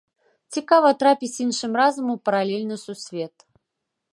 Цікава трапіць іншым разам у паралельны сусвет.